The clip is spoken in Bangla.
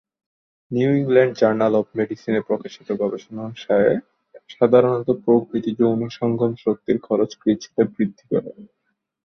নিউ ইংল্যান্ড জার্নাল অব মেডিসিনে প্রকাশিত গবেষণা অনুসারে সাধারণত প্রকৃত যৌন সঙ্গম শক্তির খরচ কিছুটা বৃদ্ধি করে।